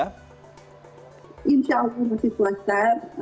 insya allah masih puasa